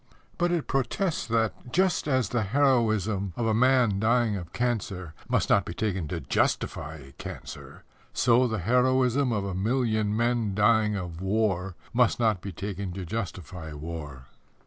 But it protests that, just as the heroism of a man dying of cancer must not be taken to justify cancer, so the heroism of a million men dying of war must not be taken to justify war.